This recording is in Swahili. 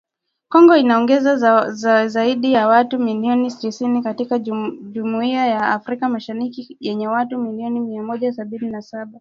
Kongo inaongeza zaidi ya watu milioni tisini katika Jumuiya ya Afrika Mashariki yenye watu milioni mia moja sabini na saba